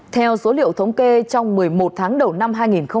theo số liệu thống kê trong một mươi một tháng đầu năm hai nghìn hai mươi